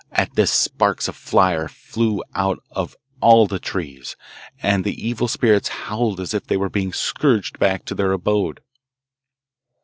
At this sparks of fire flew out of all the trees, and the evil spirits howled as if they were being scourged back to their abode.